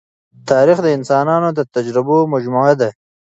تاریخ د انسانانو د تجربو مجموعه ده.